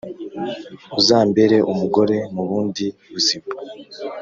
Uzambere umugore mubundi buzima...